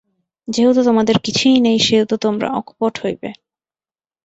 যেহেতু তোমাদের কিছুই নাই, সেহেতু তোমরা অকপট হইবে।